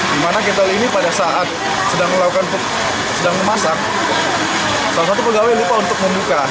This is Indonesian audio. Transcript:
dimana kita ini pada saat sedang memasak salah satu pegawai lupa untuk membuka